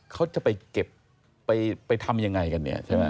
เขาจะไปเก็บไปทำยังไงกัน